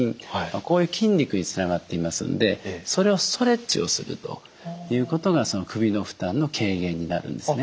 こういう筋肉につながっていますんでそれをストレッチをするということが首の負担の軽減になるんですね。